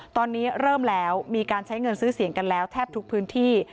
ตอนนี้เริ่มแล้วมีการใช้เงินซื้อเสียงกันแล้วแทบทุกพื้นที่